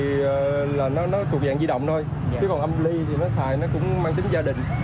thì là nó thuộc dạng di động thôi chứ còn âm ly thì nó cũng mang tính gia đình